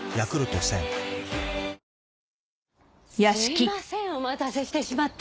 すみませんお待たせしてしまって。